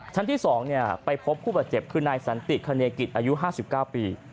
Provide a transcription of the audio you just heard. ชั้นที่๒ไปพบผู้บาดเจ็บคือนายสันติคณีกิจอายุ๕๙ปี